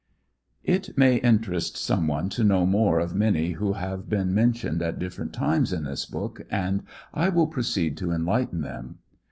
In may interest some one to know more of many who have been mentioned at different times in this book, and I will proceed to en lighten them.